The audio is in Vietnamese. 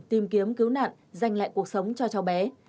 tìm kiếm cứu nạn dành lại cuộc sống cho cháu bé